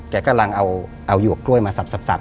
กำลังเอาหยวกกล้วยมาสับ